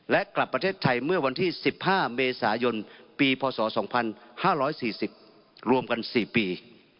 และกลับประเทศไทยเมื่อวันที่๑๕เมษายนปีพศ๒๕๔๐รวมกัน๔ปี